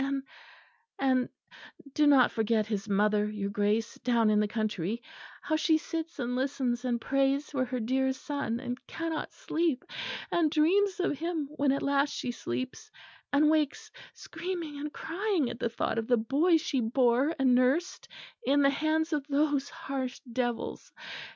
And, and, do not forget his mother, your Grace, down in the country; how she sits and listens and prays for her dear son; and cannot sleep, and dreams of him when at last she sleeps, and wakes screaming and crying at the thought of the boy she bore and nursed in the hands of those harsh devils.